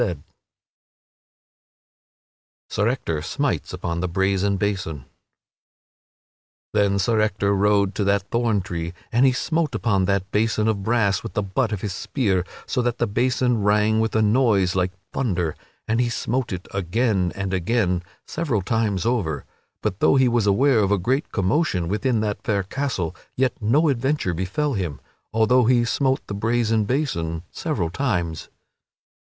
[Sidenote: Sir Ector smites upon the brazen basin] Then Sir Ector rode to that thorn tree and he smote upon that basin of brass with the butt of his spear, so that the basin rang with a noise like thunder; and he smote it again and again, several times over. But though he was aware of a great commotion within that fair castle, yet no adventure befell him, although he smote the brazen basin several times.